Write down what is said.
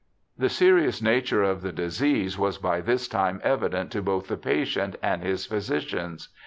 The serious nature of the disease was by this time evident to both the patient and his physicians.